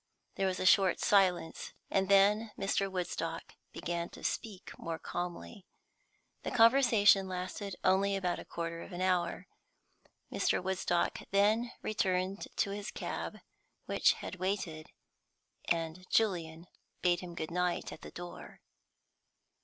There was a short silence, and then Mr. Woodstock began to speak more calmly. The conversation lasted only about a quarter of an hour. Mr. Woodstock then returned to his cab, which had waited, and Julian bade him good night at the door.